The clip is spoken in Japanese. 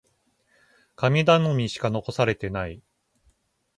神頼みしか残されていない。